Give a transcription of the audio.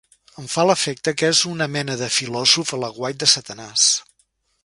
Em fa l'efecte que és una mena de filòsof a l'aguait de Satanàs.